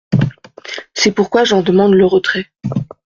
C’est pourquoi j’en demande le retrait.